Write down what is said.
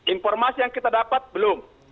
informasi yang kita dapat belum